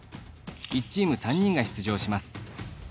１チーム、３人が出場します。